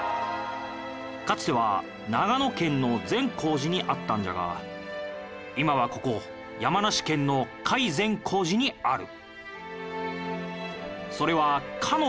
かつては長野県の善光寺にあったんじゃが今はここ山梨県の甲斐善光寺にある。